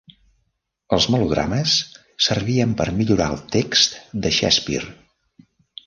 Els melodrames servien per millorar el text de Shakespeare.